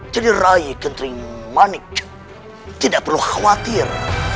jadi rai kentrim manik tidak perlu khawatir